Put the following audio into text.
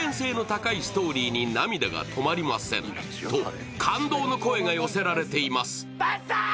ネットでは感動の声が寄せられています。